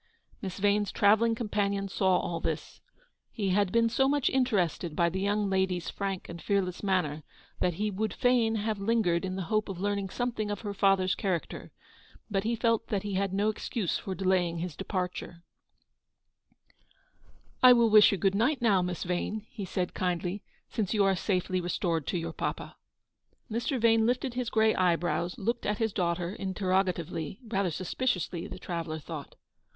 Miss Vane's travelling companion saw all this. He had been so much interested by the young lady's frank and fearless manner, that he would fain have lingered in the hope of learning some thing of her father's character; but he felt that he had no excuse for delaying his departure. 16 Eleanor's victory. " I will wish you good night, now, Miss Vane/' he said, kindly, " since you are safely restored to your papa." Mr. Vane lifted his grey eyebrows, looked at his daughter interrogatively; rather suspiciously, the traveller thought.